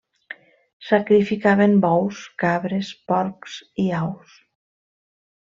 Sacrificaven bous, cabres, porcs i aus.